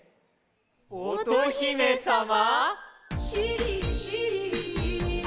おとひめさま